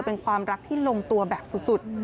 เป็นความรักที่ลงตัวแบบสุด